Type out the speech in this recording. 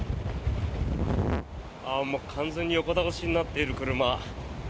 完全に横倒しになっている車。